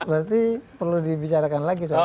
berarti perlu dibicarakan lagi soalnya